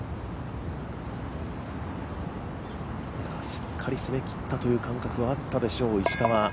しっかり攻めきったという感覚はあったでしょう、この石川。